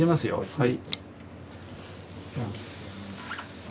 はい。